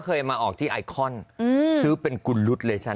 เคยมาออกที่ไอคอนซื้อเป็นกุรุษเลยจน